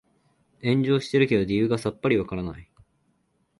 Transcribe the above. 炎上してるけど理由がさっぱりわからない